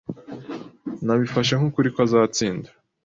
Nabifashe nk'ukuri ko azatsinda.